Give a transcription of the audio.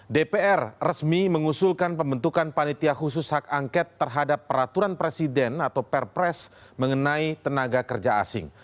dpr resmi mengusulkan pembentukan panitia khusus hak angket terhadap peraturan presiden atau perpres mengenai tenaga kerja asing